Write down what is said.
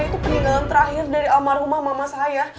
itu peninggalan terakhir dari almarhumah mama saya